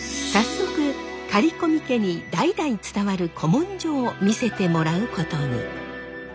早速刈込家に代々伝わる古文書を見せてもらうことに。